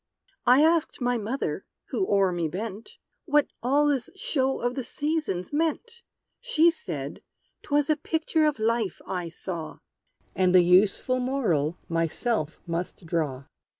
I asked my mother, who o'er me bent, What all this show of the Seasons meant? She said 'twas a picture of Life, I saw; And the useful moral myself must draw!